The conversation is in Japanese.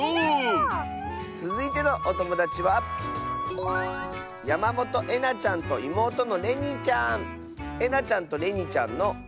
つづいてのおともだちはえなちゃんとれにちゃんの。